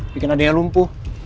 bikin adanya lumpuh